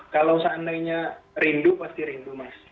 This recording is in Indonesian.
kalau seandainya rindu pasti rindu mas